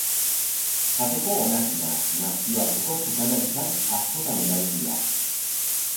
Jateko onak dira, nazioarteko sukaldaritzan askotan erabiliak.